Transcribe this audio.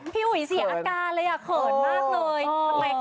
พี่อุ๋ยเสียอาการเลยอ่ะเขินมากเลย